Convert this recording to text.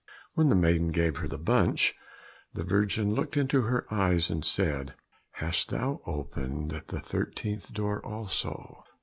When the maiden gave her the bunch, the Virgin looked into her eyes and said, "Hast thou not opened the thirteenth door also?"